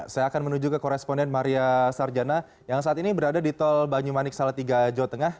saya akan menuju ke koresponden maria sarjana yang saat ini berada di tol banyumanik salatiga jawa tengah